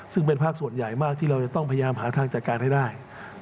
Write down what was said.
ซึ่งเป็นภาคส่วนใหญ่ที่เราต้องหาทางจัดการให้ได้